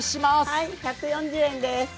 はい、１４０円です。